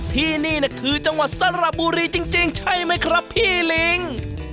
ที่นี่คือจังหวัดสระบุรีจริงใช่ไหมครับพี่ลิง